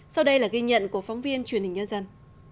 sau đây là ghi nhận của phóng viên truyền hình nhân dân